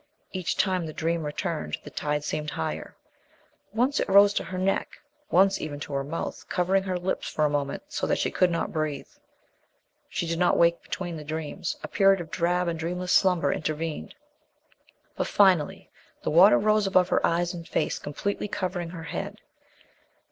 Each time the dream returned, the tide seemed higher. Once it rose to her neck, once even to her mouth, covering her lips for a moment so that she could not breathe. She did not wake between the dreams; a period of drab and dreamless slumber intervened. But, finally, the water rose above her eyes and face, completely covering her head.